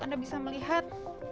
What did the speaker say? anda bisa melihat